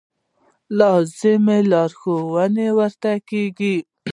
لازمې لارښوونې ورته کېږي.